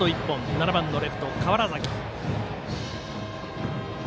７番のレフト、川原崎。